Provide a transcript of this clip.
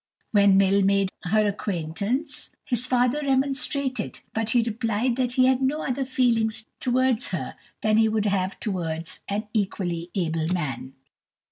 When Mill made her acquaintance, his father remonstrated, but he replied that he had no other feelings towards her than he would have towards an equally able man.